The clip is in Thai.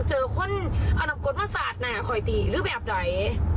เจอคนอร่ำกฎมาสัตว์ในขอยตีหรือแบบไหน